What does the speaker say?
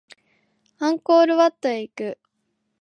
アンコールワットへ行く